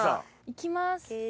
行きます。